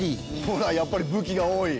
ほらやっぱり武器が多い。